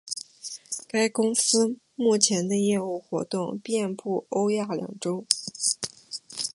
该公司目前的业务活动遍布欧亚两洲。